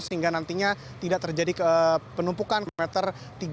sehingga nantinya tidak terjadi penumpukan kilometer tiga ratus delapan puluh sembilan